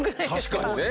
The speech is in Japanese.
確かにね。